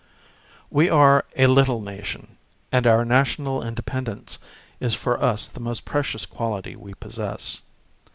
We are a little nation, and our national independence is for us the most precious quality we possess.